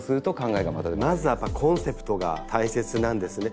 まずはコンセプトが大切なんですね。